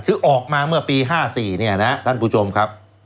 คือออกมาเมื่อปี๕๔ท่านผู้ชมครับ